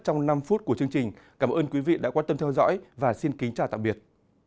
trong năm phút của chương trình cảm ơn quý vị đã quan tâm theo dõi và xin kính chào tạm biệt